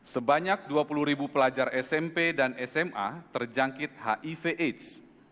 sebanyak dua puluh ribu pelajar smp dan sma terjangkit hiv aids